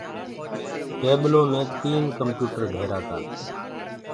ٽيبلو مي تين ڪمپيوٽر ڌيرآ تآ